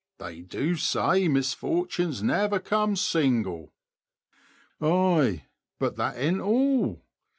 they du sea misfort'ns naver come single.'' B. '' Ay, but thet ain't all.